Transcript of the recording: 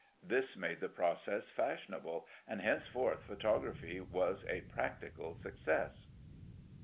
This made the process fashionable, and henceforth photography was a prac tical success.